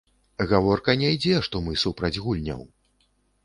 Гаворка не ідзе, што мы супраць гульняў.